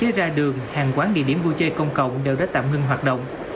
hạn chế ra đường hàng quán nghỉ điểm vui chơi công cộng đều đã tạm ngưng hoạt động